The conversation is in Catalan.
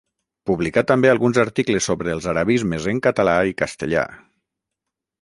Publicà també alguns articles sobre els arabismes en català i castellà.